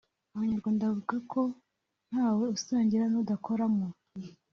Abanyarwanda bavuga ko ntawe usangira n’udakoramo